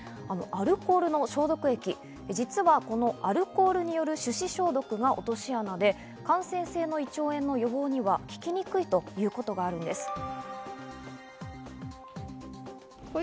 アルコールの消毒液、実はこのアルコールによる手指消毒が落とし穴で、感染性の胃腸炎の予防には効きにくいということがあるんです。